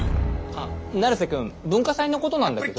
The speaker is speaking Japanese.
あっ成瀬くん文化祭のことなんだけど。